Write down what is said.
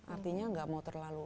artinya gak mau terlalu